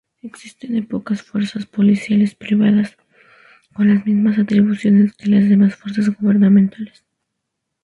Existen pocas fuerzas policiales privadas, con las mismas atribuciones que las demás fuerzas gubernamentales.